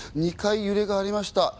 ２回揺れがありました。